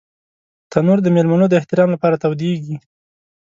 تنور د مېلمنو د احترام لپاره تودېږي